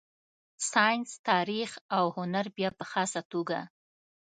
ساینس، تاریخ او هنر بیا په خاصه توګه.